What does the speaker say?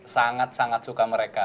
sangat sangat suka mereka